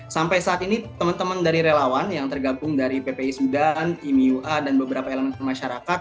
sampai saat ini teman teman dari relawan yang tergabung dari ppi sudan imua dan beberapa elemen masyarakat